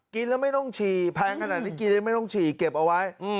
กินแล้วไม่ต้องฉี่แพงขนาดนี้กินได้ไม่ต้องฉี่เก็บเอาไว้